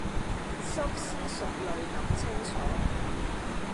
深思熟慮諗清楚